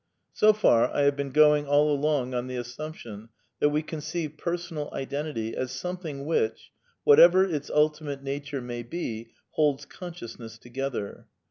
So far, I have been going all along on the assumption that we conceive Personal Identity as something which, whatever its ultimate nature may be, '^ holds consciousness together."